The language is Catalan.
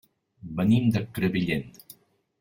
Venim de Crevillent.